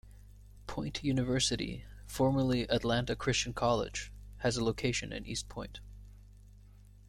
Point University, formerly Atlanta Christian College, has a location in East Point.